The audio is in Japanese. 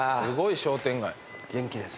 すごい商店街。